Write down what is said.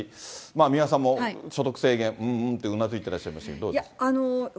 三輪さんも、所得制限、うんうんってうなずいてらっしゃいましたけど、どうしますか。